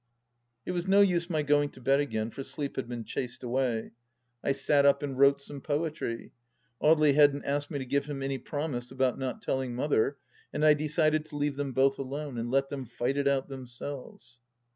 It was no use my going to bed again, for sleep had been chased away. I sat up and wrote some poetry. ... Audely hadn't asked me to give him any promise about not telling Mother, and I decided to leave them both alone and let them fight it out themselves.